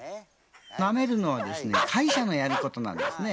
なめるのは下位者のやることなんですね。